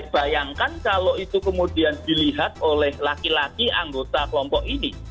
bayangkan kalau itu kemudian dilihat oleh laki laki anggota kelompok ini